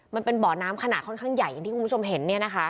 มันเป็นบ่อน้ำขนาดค่อนข้างใหญ่อย่างที่คุณผู้ชมเห็นเนี่ยนะคะ